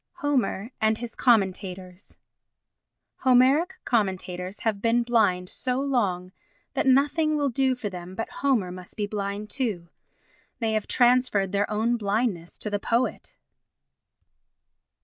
Homer and his Commentators Homeric commentators have been blind so long that nothing will do for them but Homer must be blind too. They have transferred their own blindness to the poet.